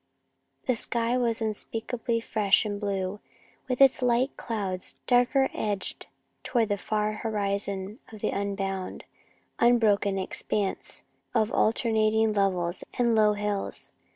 The sky was unspeakably fresh and blue, with its light clouds, darker edged toward the far horizon of the unbounded, unbroken expanse of alternating levels and low hills.